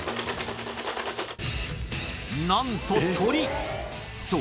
なんと鳥！